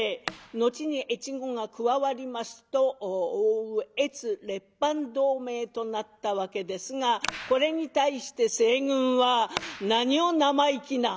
後に越後が加わりますと奥羽越列藩同盟となったわけですがこれに対して西軍は「何を生意気な。